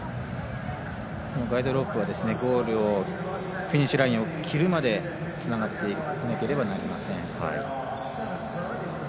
ガイドロープはフィニッシュラインを切るまでつながっていなければなりません。